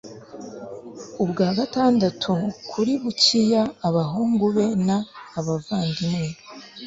ubwa gatandatu kuri bukiya abahungu be n abavandimwe